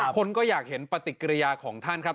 คนก็อยากเห็นปฏิกิริยาของท่านครับ